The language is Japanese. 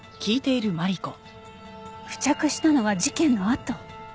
付着したのは事件のあと。